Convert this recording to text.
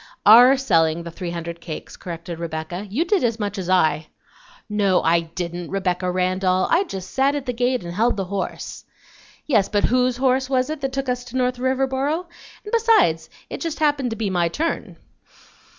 "OUR selling the three hundred cakes," corrected Rebecca; "you did as much as I." "No, I didn't, Rebecca Randall. I just sat at the gate and held the horse." "Yes, but WHOSE horse was it that took us to North Riverboro? And besides, it just happened to be my turn.